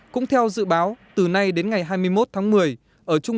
cũng theo dự báo từ nay đến ngày hai mươi một tháng một mươi